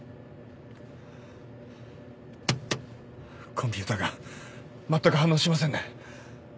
コンピューターがまったく反応しませんね。